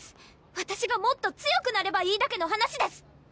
わたしがもっと強くなればいいだけの話です！